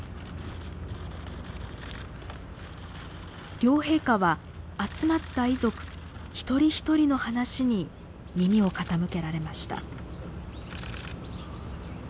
両陛下は集まった遺族一人一人の話に耳を傾けられました。